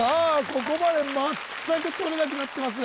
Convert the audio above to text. ここまで全くとれなくなってます